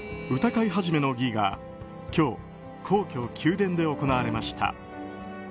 歌会始の儀が今日、皇居・宮殿で行われました。